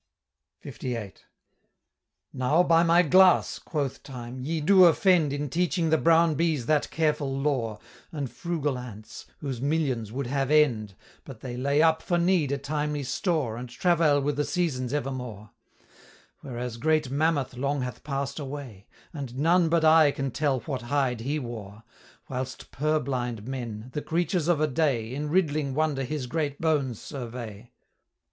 LVIII. "Now by my glass," quoth Time, "ye do offend In teaching the brown bees that careful lore, And frugal ants, whose millions would have end, But they lay up for need a timely store, And travail with the seasons evermore; Whereas Great Mammoth long hath pass'd away, And none but I can tell what hide he wore; Whilst purblind men, the creatures of a day, In riddling wonder his great bones survey."